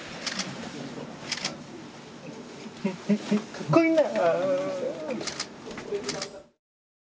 かっこいいね！